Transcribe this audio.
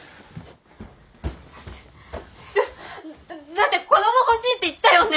だって子供欲しいって言ったよね！？